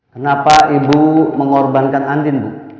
kenapa ibu mengorbankan adin